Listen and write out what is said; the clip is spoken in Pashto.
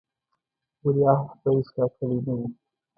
ولیعهد په حیث ټاکلی نه وو.